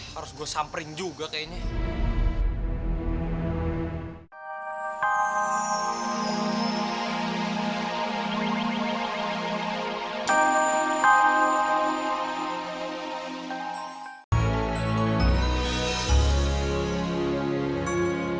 harus gue samperin juga kayaknya